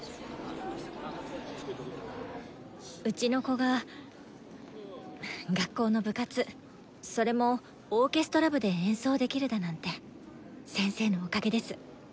うちの子が学校の部活それもオーケストラ部で演奏できるだなんて先生のおかげです。